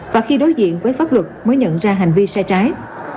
và khi đối diện với pháp luật mới nhận ra hành vi sai trái